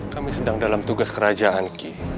kami sedang dalam tugas kerajaan ki